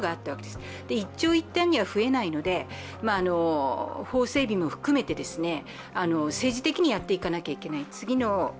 一長一短には増えないので法整備も含めて政治的にやっていかなきゃいけない。